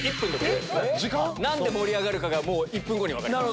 何で盛り上がるかが１分後に分かります。